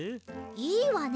いいわね。